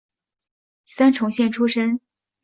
三重县出身。